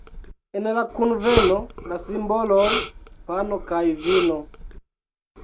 En la kunveno la simboloj: pano kaj vino.